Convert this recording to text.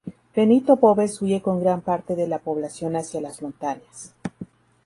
Benito Boves huye con gran parte de la población hacia las montañas.